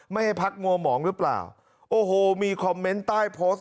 ไม่ให้พักงัวหมองหรือเปล่าโอ้โหมีคอมเมนต์ใต้โพสต์